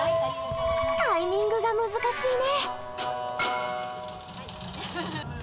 タイミングが難しいね。